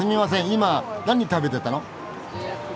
今何食べてたの？